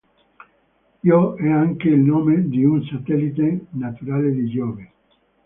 Io è anche il nome di un satellite naturale di Giove.